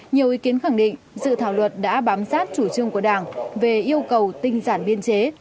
nhiều ý kiến khẳng định dự thảo luật đã bám sát chủ trương của đảng về yêu cầu tinh giản biên chế